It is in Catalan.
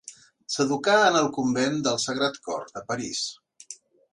S'educà en el convent del Sagrat Cor, de París.